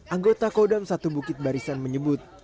anggota kodam satu bukit barisan menyebut